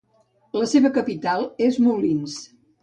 La seva capital és Moulins.